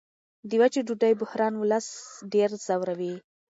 د وچې ډوډۍ بحران ولس ډېر ځوروي.